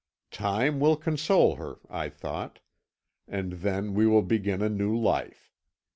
'Time will console her,' I thought, 'and then we will begin a new life.